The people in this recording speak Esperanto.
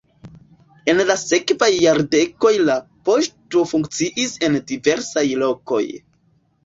En la sekvaj jardekoj la poŝto funkciis en diversaj lokoj.